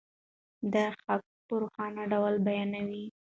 دی حقایق په روښانه ډول بیانوي.